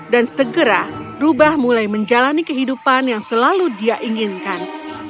dan segera rubah mulai menjalani kehidupan yang selalu dia inginkan